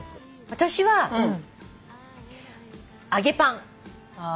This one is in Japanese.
私は揚げパン。